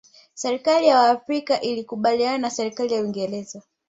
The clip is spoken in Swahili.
serikali ya waafrika ilikubaliana na serikali ya uingereza